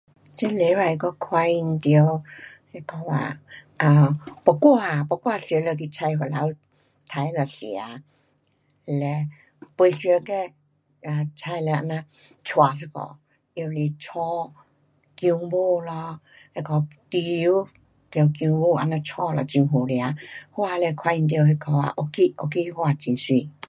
这礼拜我看见到那个啊，um 木瓜，木瓜熟了去採回来杀了吃。了没熟的哒采了这样削一下拿来炒姜母咯,那个猪油搅姜母这样炒了很好吃。我也是看见到那个啊 orchid，orchid 花很美。